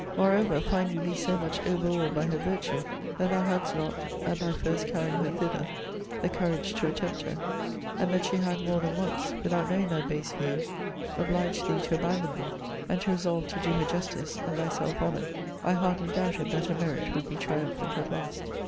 Moreover, finding thee so much over awed by her virtue, that thou hadst not, at thy first carrying her thither, the courage to attempt her; and that she had, more than once, without knowing thy base views, obliged thee to abandon them, and to resolve to do her justice, and thyself honour; I hardly doubted, that her merit would be triumphant at last.